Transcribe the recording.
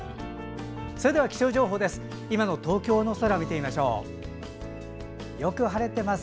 それでは気象情報です。